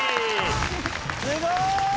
すごい！